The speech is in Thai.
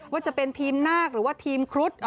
ว่าจะเป็นทีมนาคหรือว่าทีมครุฑ